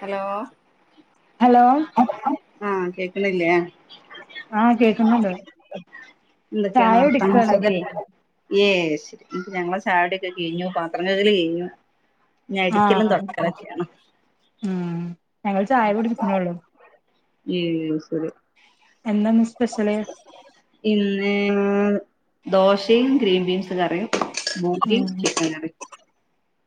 Hello hello ആ കേക്ക്ണില്ലേ? ആഹ് കേക്കുന്നുണ്ട് എന്തൊക്കെയാണ് ചായ വർത്താനം കുടിക്കാണ് സുഖല്ലേ യേസ് ഞങ്ങളെ ചായോടിക്കെ കയിഞ്ഞു പാത്രം കഴുകല് കയിഞ്ഞു ഞ്ഞ് അടിക്കലും ആഹ് തൊട അത്രക്കെയാണ് ഉം ഞങ്ങൾ ചായ കുടിക്ക്ണൊള്ളൂ ഏ ശരി എന്താന്ന് സ്പെഷ്യല് ഇന്ന് ദോശയും ഗ്രീൻ ബീൻസ് കറിയും ഉം ബൂരിയും ചിക്കൻ കറിയും.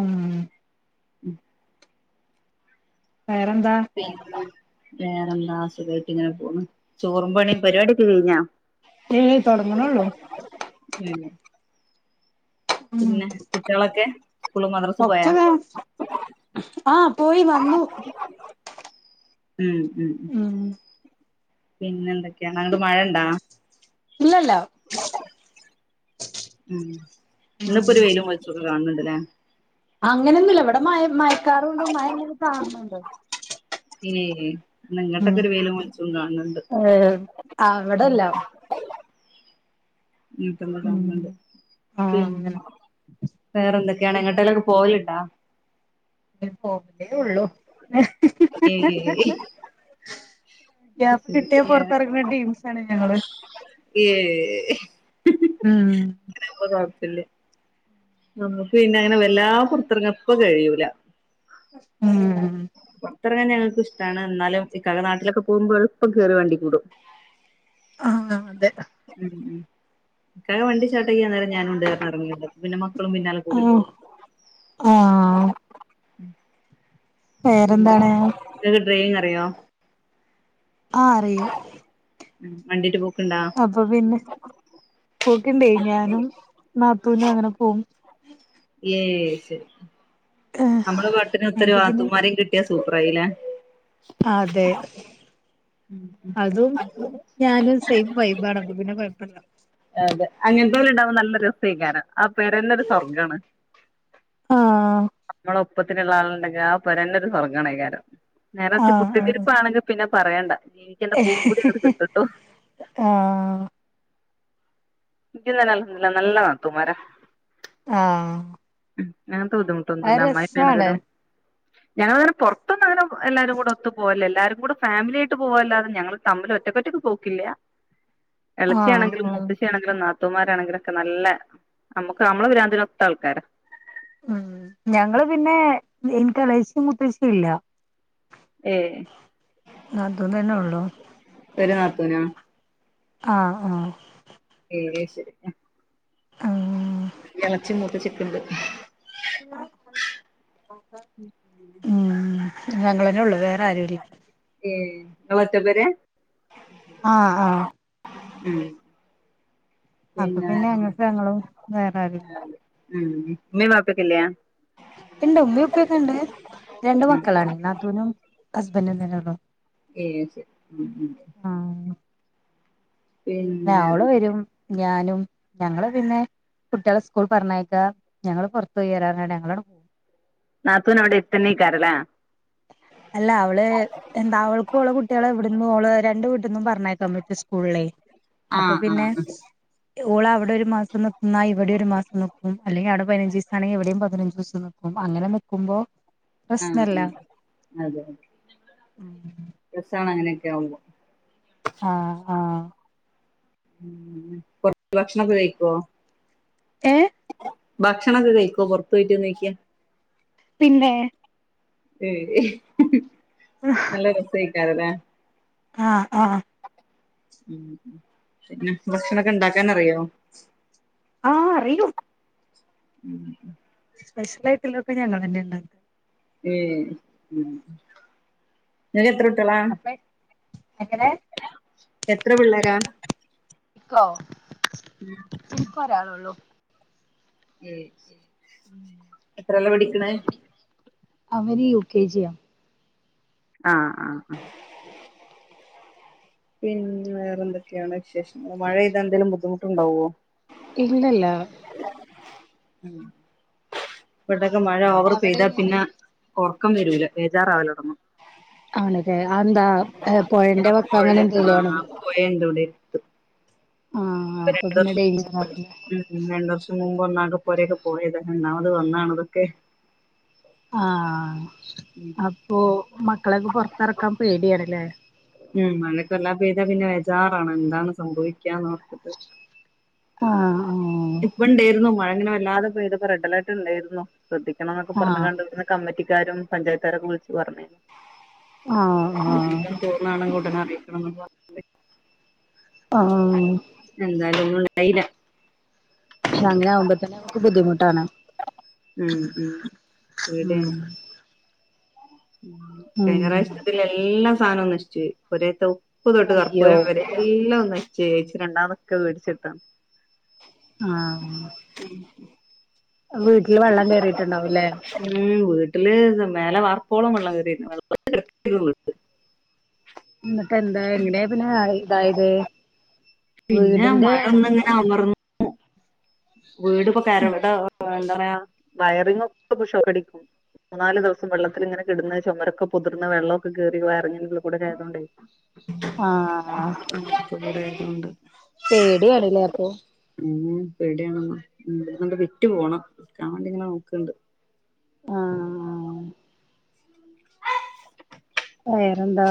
ഉം ഉം വേറെന്താ? വേറെന്താ സുഖായിട്ടിങ്ങനെ പോണ് ചോറുമ്പണി പരിപാടിയക്കെ കയിഞാ ഏയ്‌ തൊടങ്ണൊള്ളു എ എ ഉം പിന്നെ കുട്ട്യോളൊക്കെ സ്കൂളും മദ്രസ് പോയാ ആ പോയി വന്നു. മ് മ് മ് ഉം പിന്നെ എന്തൊക്കെയാ അങ്ങട്ട് മഴ ഇണ്ടാ ഇല്ലല്ലോ ഉം ഇന്ന്പ്പം ഒരു വെയിലും വെൾച്ചോക്കെ കാൺണ് ണ്ട് ലെ അങ്ങനെന്നുല്ല ഇവിടെ മഴ മഴക്കാറുണ്ട് മഴങ്ങനെ കാണുന്നൂണ്ട്. [inaudible] ഇന്ന്ങ്ങട്ടൊക്കെ ഉം ഒരു വെയിലും വെൾച്ചും കാൺണ് ണ്ട് ഏഹ് ഉം അവിടെല്ല വീട്ടമ്മ ഉം കാണല്ണ്ട് ആഹ് അങ്ങനെ വേറെന്തൊക്കെയാണ് എങ്ങട്ടെലൊക്കെ പോവല്ണ്ട പോക്കന്നെ ഉള്ളൂ ഏയ് ഗ്യാപ്പ് കിട്ടിയാ പൊർത്തറ്ങ്ങ്ണ ടിംസാണ് ഞങ്ങള് ഏഹ് ഉം നമുക്ക് പിന്നെ അങ്ങനെ വല്ലാ പുറത്തിറങ്ങാപ്പ കഴിയൂല ഉം പുറത്തിറങ്ങാൻ ഞങ്ങൾക്ക് ഇഷ്ടാണ് എന്നാലും ഇക്കൻ്റെ നാട്ടിലൊക്കെ പോകുമ്പോ എളുപ്പം കേറി വണ്ടി കൂടും ആഹ് അതെ ഉം ഇക്ക വണ്ടി സ്റ്റാർട്ടക്കാൻ നേരം ഞാൻ ഉണ്ട് ഇറങ്ങും പിന്നെ മക്കളും പിന്നാലെും ആഹ് കൂടികോളും ആഹ് വേറെന്താണ് നിക്ക് ഡ്രെയിങ് അറിയോ ആഹ് അറിയും വണ്ടീട്ട് പോക്ക്ണ്ടോ അപ്പൊ പിന്നെ പോക്കുണ്ടേ ഞാനും നാത്തൂനും അങ്ങനെ പോകും ഏഹ് ശരി നമ്മള് പാട്ടിനൊത്തരി ഞങ്ങക്ക് പിന്നെ നിത്തുമാരെയും കിട്ടിയാ സൂപ്പറായില്ലെ അതെ അതും ഞാനും സെയിം വൈബാണ് അപ്പ പിന്നെ കൊഴപ്പല്ല അതെ അങ്ങനത്തേലുണ്ടാവുമ്പോ നല്ല രസേക്കാരം ആ പെരന്നൊരു സ്വർഗാണ് ആഹ് നമ്മളൊപ്പം ത്തിന്ള്ള ആള്ണ്ടങ്കി ആ പെരന്നെര് സ്വർഗാണേകാരം നേരർച്ച് ആഹ് കുത്തിരിപ്പാ ണെങ്കി പിന്നെ പറയണ്ട പൂതി അങ്ങട് കിട്ടുട്ടോ ആഹ് ഇക്ക് യേതായാലും അൽഹംദുലില്ലാഹ് നല്ല നത്തൂമാരാ ആഹ് ഉ അങ്ങൻത്തെ ബുദ്ധിമുട്ടൊന്നുല്ല അത് അമ്മായിമ്മേണ രസാണ് ങ്കിലും ഞങ്ങള് ഇങ്ങനെ പൊർത്തൊന്നുംഅങ്ങനെ എല്ലാരും കൂടെ ഒത്ത് പോലല്ലോ എല്ലാരും കൂടെ ഫാമിലി ആയിട്ട് പോവല്ലാതെ ഞങ്ങള് തമ്മിൽ ഒ റ്റക്ക് ഒ റ്റക്ക് പോക്കില്ല ആഹ് എളച്ചിയാണെങ്കിലും ആഹ് മുത്തച്ചിയാണെങ്കിലും നാത്തൂമാരാണെങ്കിലും ഒക്കെ നല്ല നമ്മക്ക് നമ്മളെ പി രാന്ത് ന് ഒത്ത ആൾക്കാരാ ഉം ഞങ്ങള് പിന്നെ ഇൻക്ക് എളേച്ചിം മൂത്തച്ചിം ഇല്ല ഏഹ് നാത്തൂനന്നെ ഒള്ളൂ ഒര് നാത്തൂനാ ആഹ് ആഹ് ഏ അഹ് ശരി ആഹ് എളച്ചിം മൂത്തച്ചിം ഒക്കെണ്ട് ഉം ഞങ്ങളെ ന്നെ ള്ളൂ വേറെ ആരൂല്ല ഏ ങ്ങള് ഒറ്റ പെര ആഹ് ആഹ് ഉം അപ്പൊ പിന്നെ ഞങ്ങക്ക് ഞങ്ങളും വേറെ ആരുല്ലാ ഉം ഇമ്മീം വാപ്പി ഒക്കല്ലേ ഇണ്ട് ഉമ്മിം ഉപ്പയൊക്കെ ഉണ്ട് രണ്ട് ഉം മക്കളാണ് നാത്തൂനും ഹസ്ബൻഡും തന്നെയൊള്ളു ഏ ശെ ഉം ഉം ആഹ് പിന്നെ അവള് വേറെന്താ? വരും ഞാനും ഞങ്ങള് പിന്നെ കുട്ടികളെ സ്കൂൾ പറഞ്ഞേക്കാ ഞങ്ങള് പുറത്ത് പോയി വരാറ്ഞ്ഞാണ്ട് ഞങ്ങളാണ്ട് നാത്തൂന് അവിടെ എട്ത്തന്നെ ക്കാരെലെ അല്ല അവള് എന്താ അവൾക്കും ഓളെ കുട്ടിയോളെവിട്ന്നും ഓള് രണ്ട് വീട്ട്ന്നും പറഞ്ഞേക്കാൻ പറ്റും സ്കൂളിലേ അപ്പൊ ആഹ് പിന്നെ ആഹ് ഓൾ അവിടെ ഒരു മാസം നിന്നാ ഇവിടെ ഒരു മാസം നിക്കും അല്ലെങ്കി അവിടെ പതിനഞ്ച് ദിവസാണെങ്കിൽ ഇവിടെയും പതിനഞ്ച് ദിവസം നി ക്കും അങ്ങനെ നിക്കുമ്പോ ആ പ്രശ്നല്ല ആ അതെ രസാണ് അങ്ങനെയൊക്കെ ആവുമ്പോ ആഹ് ആഹ് ഉം [unintelligible] ഭക്ഷണൊക്കെ കഴിക്കുവോ ഏ ഭക്ഷണൊക്കെ കഴിക്കോ പുറത്ത് പോയിട്ട് നോയിക്കാ പിന്നെ ഏ നല്ല രസായിക്കാരലേ ആഹ് ആഹ് ഉം ഉം പിന്നെ ഭക്ഷണൊക്കെ ഉണ്ടാക്കാൻ അറിയോ ആഹ് അറിയും ഉം ഉ സ്പെഷ്യലായിട്ടുള്ളൊക്കെ ഞങ്ങളന്നെണ്ടാക്കാ ഏ ഉം ങ്ങക്ക് എത്ര കുട്ടിയോളാ അപ്പ എങ്ങനെ എത്ര പിള്ളേരാ ഇക്കോ ഉം ഇൻക്ക് ഒരാളൊള്ളൂ ഏ അയ്ശരി എത്രല്ലാ പഠിക്ക്ണേ അവന് യു കെ ജി യാ ആഹ് ആഹ് ആഹ് പിന്നെ വേറെ എന്തൊക്കെയാണ് വിശേഷം മഴ പൈത എന്തേലും ബുദ്ധിമുട്ടുണ്ടാവോ ഇല്ലല്ല വടെക്കെ മഴ ഓവറ് അവിടെ പെയ്താൽ എങ്ങനെ പിന്നെ ഒറക്കം വരൂല വെജാറാവലോടന്നും ആണ്ലെ അതെന്താ പൊഴന്റെ വക്ക് അങ്ങനെ എന്തെലും ആണോ പൊഴണ്ടവിടെ ഒയ്ക്കും ആഹ് അപ്പൊ പിന്നെ ഡേയ്ഞ്ചറാവുല്ലേ ഉം രണ്ട് വർഷം മുമ്പ് ഒന്നാട്ട് പോരൊക്കെ പോയത രണ്ടാമത് വന്നാതാണ് ഇതൊക്കെ ആഹ് അപ്പൊ മക്കളൊക്കെ പൊറത്തെറക്കാൻ പേടിയാണ്ല്ലേ? ഉം മഴക്കെ വല്ലാ പെയ്താ പിന്നെ വെജാറാണ് എന്താണ് സംഭവിക്കാന്ന് ഓർത്തിട്ട് ആഹ് ഇപ്പ ഇണ്ടേയിരുന്നു മഴങ്ങനെ വല്ലാതെപ്പോ ഇതതിപ്പോ റെഡ്ലർട്ട് ഉണ്ടായിരുന്നുോ ശ്രദ്ധിക്കണം ന്നൊക്ക ആഹ് പറഞ്ഞ്ങ്ങാണ്ട് വിട്ന്ന് കമ്മിറ്റിക്കാരും പഞ്ചായത്തുകാരൊക്കെ വിളിച്ചച്ച് പറഞ്ഞ് ആഹ് ആഹ് ആഹ് തോന്നാണെ ഉടനെ അറിക്കണം ന്നൊക്കെ പ അ ആഹ് പറഞ്ഞു എന്തായാലും [unintelligible] ക്ഷെ അങ്ങനെ ആകുമ്പോ തന്നെ നമുക്ക് ബുദ്ധിമുട്ടാണ് ഉം ഉം പേടിയാണ് ഉം ഉം കഴിഞ്ഞ പ്രാവശ്യത്തി എല്ലാ സാധനവും നശിച്ചു പോയി പെരേത്തെ ഉപ്പ് തൊട്ട് അയ്യോ കർപ്പൂരം വരെ എല്ലം നശിചോയി ച്ച് രണ്ടാമതൊക്കെ വേടിച്ചിട്ത്ത ആഹ് വീട്ടില് വെള്ളം കയറിയിട്ടുണ്ടാവും ല്ലേ ഉം വീട്ടില് മലെ വാർപ്പോളം വെള്ളം കയറി [unintelligible] ന്നിട്ട് എന്താ എങ്ങനെയ ത് മാറി ഇതായത് പിന്നെ വീടിന്റെ മഴ ഒന്ന്ങ്ങനെ അമർ വീട്പ്പോ കരടെ എന്താ വയറിങ്ങക്കെ ഷോക്കടിക്കും മൂന്നാല് ദിവസം വെള്ളത്തിൽങ്ങനെ കെടന്ന് ചുരൊക്കെ കുതിർന്ന് വെള്ളൊക്കെ കയറി വയറിങ്ങിന്റെ ഉള്ള്കൂടെ ആയതുണ്ടെ ആഹ് [unintelligible] പേടിയണല്ലേ അപ്പൊ ഉ പേടിയാണന്ന് ഉം അത് വിറ്റു പോണം [unintelligible] നോക്കണ്ട് ആഹ ആ വേരന്താ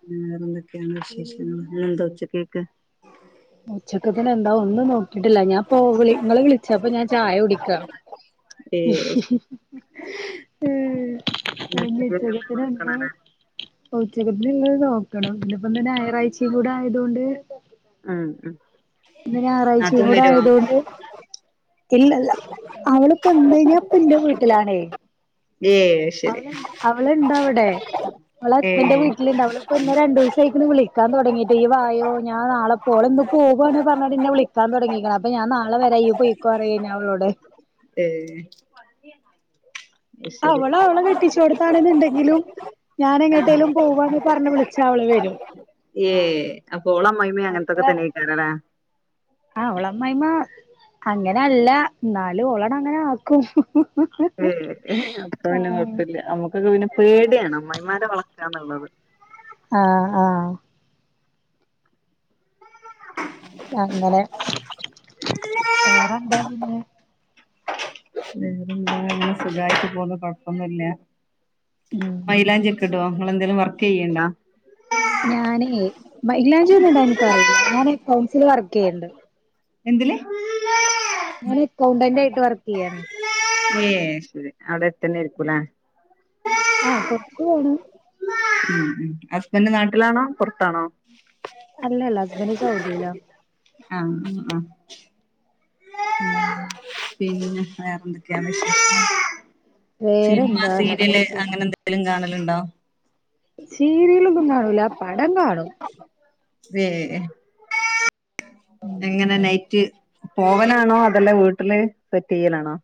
പിന്നെ വേറെ എന്തൊക്കെയാണ് വിശേഷങ്ങള് എന്താ ഉച്ചകേക്ക് ഉച്ചക്കത്തിന് എന്താ ഒന്നും നോക്കിയിട്ടില്ല ഞാൻ പൊ വിളി നിങ്ങള് വിളിച്ചപ്പ ഞാൻ ചായ കുടിക്ക ഉം ഏ ഹും ഹും ഇന്ന് ഉച്ചത്തേക്ക് എന്താ? നോക്കണല്ലേ ഉച്ചക്കത്തിന് ഇന്ന് നോക്കണം പിന്നപ്പ തന്നെ ഞായറാഴ്ച കൂടെ ആയത് തൊണ്ട് ഉം ഉം ഇന്ന് ഞായറാഴ്ചയും നാത്തൂൻ കൂടെ വരുവോ ആയതുകൊണ്ട് ഇല്ലല്ല അവളിപ്പോ എന്ന് കഴിഞ്ഞാപ്പന്റെ വീട്ടിലാണേ ഏ ശരി അവള് അവളുണ്ട് അവിടെ അവളെ ഏ ഹസ്ബൻന്റെ വീട്ടിലണ്ട് അവള് ഇപ്പ പിന്നെ രണ്ട ദിവസ ആയിക്കന്ന് വിളിക്കാൻ തുടങ്ങിട്ട് ഈ വായോ ഞാ നാളെപ്പോളെ ഇന്ന് പോുവാാണ് പറഞ്ഞന്നെ വിളി താൻ തുടങ്ങിക്കണ അപ്പ ഞാൻ നാളെ വരാ ഇയ്യ് പോയ്യിക്കോ റയ്നി ഞാനൊളോട്. ഏ ശരി അവള അവളെ കെട്ടിച്ച കൊടുത്താണെന്നുണ്ടെങ്കിലും ഞാൻ എങ്ങട്ടേലും പോവാണ്. പറഞ്ഞ് വിളിച്ച അവള് വെരും ഏയ് അപ്പോ ഓള അമ്മായിയമ്മ അങ്ങനത്തൊക്കെ തന്നെ ആയിരിക്കുവല്ലേ. ആ ഒള് അമ്മായിഅമ്മ അങ്ങന അല്ല എന്നാലും ഒളോട് അങ്ങന ആക്കും ഹും ഹും ഏ ഏ അപ്പ പിന്നെ കോയ്പ്പില്ല നമ്മുക്കൊക്കെ പിന്നെ പേടിയാണ് അമ്മായി മാരെ വളക്കാന്നുള്ളത്. ആഹ് ആഹ് അങ്ങനെ വേറെന്താ പിന്നെ വേറെന്താ അങ്ങനെ സുഖായിട്ട് പോന്ന് കൊഴപ്പൊന്നുമില്ല. ഉം മൈലാഞ്ചി ഒക്കെ ഇടോ നിങ്ങളന്തേലും വർക്ക് ചെയ്യണ്ടോ ഞാനേ മൈലാഞ്ചി ഒന്നും ഇടാൻ എനിക്കറിയില്ല ഞാൻ അക്കൗൺസില് വർക്ക് ചെയ്യണ്ട്. എന്തില് [inaudible] ഞാൻ അക്കൗണ്ടന്റെ ആയിട്ട് വർക്ക് ചെയ്യാണ് ഏയ് ശരി അവിടെത്തന്നെ ഇരിക്കൂല ആഹ കൊറച്ച് പോണം ഉം ഉം ഹസ്ബൻഡ് നാട്ടിലാണോ പുറത്താണോ അല്ലല്ല ഹസ്ബൻഡ് സൗദിയിലാ ആഹ് ആഹ ഉ പിന്നെ വേറെന്തൊക്കെയാന്ന് വിശേഷം സിനിമ വേറെന്താ നല്ല സീരിയല് വിശേഷം അങ്ങനെ എന്ത് ലിം കാണലുണ്ടോ സീരിയലൊന്നും കാണൂല പടം കാണും ഏ എങ്ങനെ നൈറ്റ് പോവലാണോ അതല്ല വീട്ടില് സെറ്റ് ചെയ്യലാണോ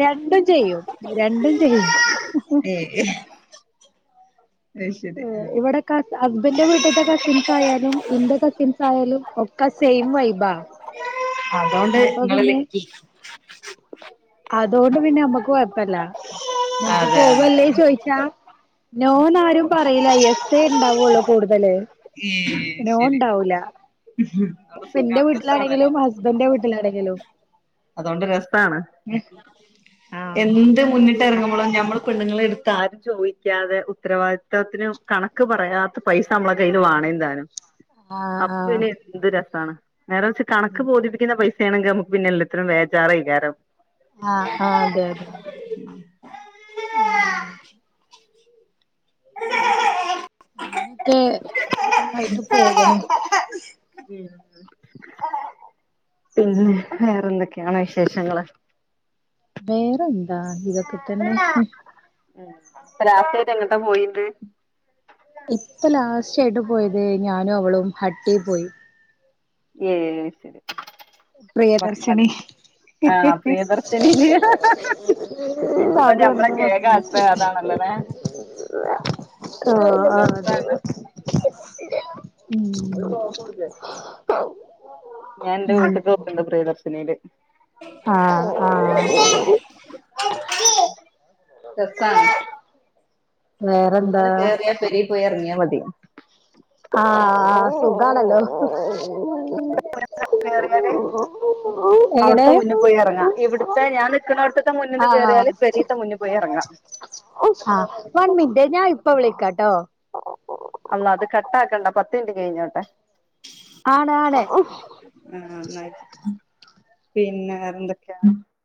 രണ്ടും ചെയ്യും രണ്ടും ചെയ്യും ഇഹ് അയ്ശരി ആഹ് ക അസ്ബന്റെ വീട്ടിത്തെ കസിൻസ് ആയാലും ഇന്റെ കസിൻസ് ആയാലും ഒക്കെ സെയിം വൈബാ ആ അതൊണ്ട് അപ്പൊ നിങ്ങള് പിന്നെ ലക്കി അതുകൊണ്ട് പിന്നെ നമ്മക്ക് കൊഴപ്പില്ല നമ്മുക്ക് അതെ അതെ പോവല്ലേ ചോയിച്ചാ. നോന്ന് ആരും പറയില എസ് എ ഇണ്ടാവൊള്ളു കൂടുതല് ഏ നോ ശരി ഉണ്ടാവൂല ഇപ്പ എന്റെ സുഖാണ് വീട്ടിലാണെങ്കിലും ഹസ്ബൻഡന്റെ വീട്ടിലാണെങ്കിലും. അതൊണ്ട് രസാണ് ആഹ് എന്ത് മുന്നിട്ട് അല്ലെ ഇറങ്ങുമ്പോളും ഞമ്മള് പെണ്ണുങ്ങളെ എടുത്ത് ആരും ചോദിക്കാതെ ഉത്തരവാദിത്തത്തിനും കണക്ക് പറയാത്ത പൈസ നമ്മള് എന്തേലും വാണേന്താനും ആഹ് അപ്പൊ ആഹ് ആഹ് പിന്നെ എന്ത് രസാണ് നേരെ വെച്ച കണക്ക് ബോധിപ്പിക്കുന്ന പൈസ ആണെങ്കിൽ നമ്മക്ക് പിന്നെ എല്ലത്തിനും വേജാറൈകാരം ആഹ് ആഹ് അതെ അതെ ഉം ക്കെ ആയിട്ട് പോകണം പിന്നെ വേറെന്തൊക്കെയാണ് വിശേഷങ്ങള് വേറെന്താ ഇതൊക്കെ തന്നെ പ്പ ലാസ്റ്റായിട്ടെങ്ങട്ട പോയിണ്ട്? ഇപ്പ ലാസ്റ്റ് ആയിട്ട് പോയത് ഞാനും അവളും ഹട്ടി പോയി ഏഹ് ശരി പ്രിയദർശിനി ഭക്ഷണത്തിന് ആഹ് പ്രിയദർശിനിയില് ഇപ്പൊ അതു ഒന്ന് ഞമ്മളൊക്കെ ഏക മൊതലാക്കി ആശ്രയം അതാണല്ലോല്ലേ ആഹ് ആഹ് അതെ രസാണ് ഉം ഞാൻ ന്റെ ഉം വീട്ട്ക്ക് പോയിണ്ട് പ്രിയദർശിനില് ആഹ് ആഹ് വേറെന്താ [unintelligible] പോയെർങ്ങിയാ മതി ആഹ് സുഖാണല്ലോ [unintelligible] എങ്ങനെ അവിടുത്തെ മുന്നിൽ പോയി ഇറങ്ങാ ഇവിടുത്തെ ഞാൻ നിക്കണോടാതൊക്കെ മുന്നിൽ പോയി കേറിയാൽ പെരീത്തെ മുന്നെ പോയി എറങ്ങാം ഓ ആഹ് വൺ മിനിറ്റ് ഞാൻ ഇപ്പ വിളിക്കാട്ടോ അള്ളാഹ് അത് കട്ട് ആക്കണ്ട പത്ത് മിനിറ്റ് കഴിഞ്ഞോട്ടെ ആണ് ആണ് ആഹ് ന്നാ ആയിക്കോട്ടെ പിന്നെ വേറെന്തൊക്കെയ